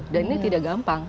dan ini tidak gampang